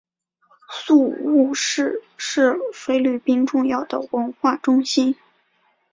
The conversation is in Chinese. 宿雾市是菲律宾重要的文化中心。